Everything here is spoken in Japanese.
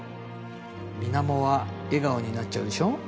水面は笑顔になっちゃうでしょ？